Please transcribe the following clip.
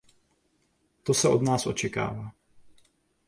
To se od nás očekává.